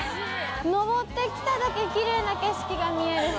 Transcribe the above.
上ってきただけ奇麗な景色が見える。